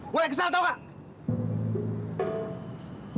gue yang kesal tau gak